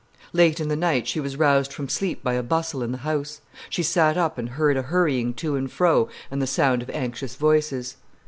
_ Late in the night she was roused from sleep by a bustle in the house. She sat up and heard a hurrying to and fro and the sound of anxious voices.